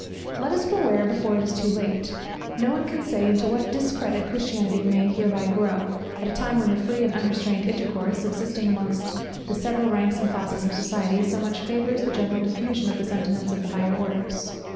Let us beware before it be too late. No one can say into what discredit Christianity may hereby grow, at a time when the free and unrestrained intercourse, subsisting amongst the several ranks and classes of society, so much favours the general diffusion of the sentiments of the higher orders.